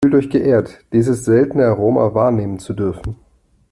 Fühlt euch geehrt, dieses seltene Aroma wahrnehmen zu dürfen!